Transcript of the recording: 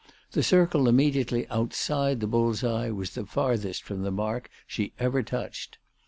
The circle immediately outside the bull's eye was the farthest from the mark she ever touched.